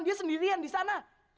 dia sendirian disana